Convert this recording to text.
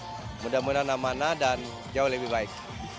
jadi mudah mudahan amanah dan jauh lebih baik